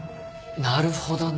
なるほどね。